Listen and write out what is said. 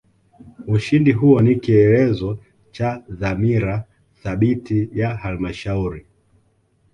ushindi huo ni kieelezo cha dhamira thabiti ya halmashauri